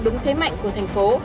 đúng thế mạnh của chúng ta